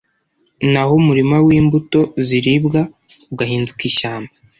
naho umurima w’imbuto ziribwa ugahinduka ishyamba ?